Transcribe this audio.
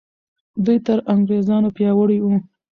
دوی تر انګریزانو پیاوړي وو.